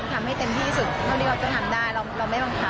หน้าจะเยื่อนไปหมดแล้วค่ะ